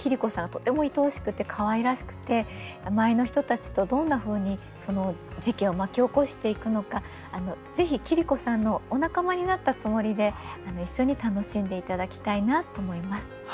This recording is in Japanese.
とてもいとおしくてかわいらしくて周りの人たちとどんなふうに事件を巻き起こしていくのかぜひ桐子さんのお仲間になったつもりで一緒に楽しんで頂きたいなと思います。